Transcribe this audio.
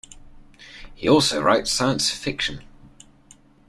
He also writes science fiction.